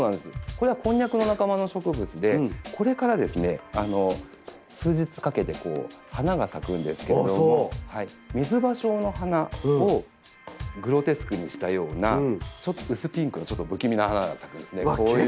これはコンニャクの仲間の植物でこれから数日かけて花が咲くんですけどミズバショウの花をグロテスクにしたような薄ピンクのちょっと不気味な花が咲くんですね。